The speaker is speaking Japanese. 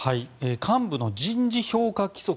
幹部の人事評価規則